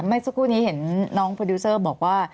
เมื่อสักครู่นี้เห็นน้องโปรดิวเซอร์บอกว่า